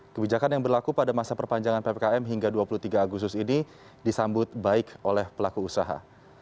kebijakan yang berlaku pada masa perpanjangan ppkm hingga dua puluh tiga agustus ini disambut baik oleh pelaku usaha